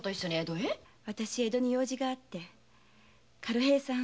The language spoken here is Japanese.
わたし江戸に用事があって軽平さん